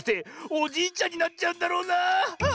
おじいちゃんになっちゃうんだろうなあ。